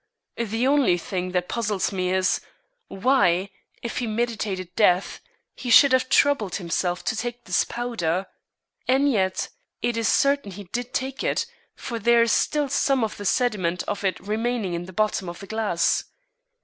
The only thing that puzzles me is, why, if he meditated death, he should have troubled himself to take this powder. And yet it is certain he did take it, for there is still some of the sediment of it remaining in the bottom of the glass."